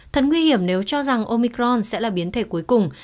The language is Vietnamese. thật nguy hiểm nếu cho rằng omicron sẽ là biến thể cuối cùng